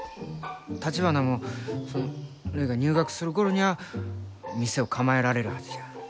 たちばなもるいが入学する頃にゃあ店を構えられるはずじゃ。